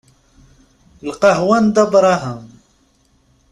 Lqahwa n Dda Brahem.